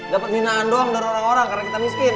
dapet minangan doang dari orang orang karena kita miskin